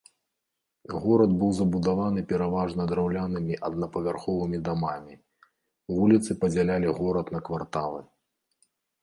Горад быў забудаваны пераважна драўлянымі аднапавярховымі дамамі, вуліцы падзялялі горад на кварталы.